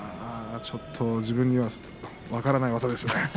ちょっと自分には分からない技ですね。